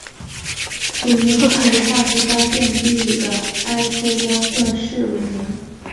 属名是以化石发现地的埃布拉赫市为名。